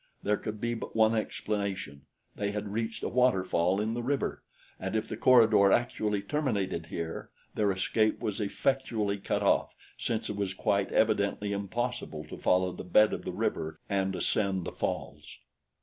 There could be but one explanation they had reached a waterfall in the river, and if the corridor actually terminated here, their escape was effectually cut off, since it was quite evidently impossible to follow the bed of the river and ascend the falls.